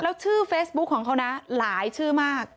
แล้วชื่อเฟซบุ๊คของเขานะหลายชื่อมาก